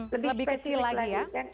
lebih spesifik lagi ya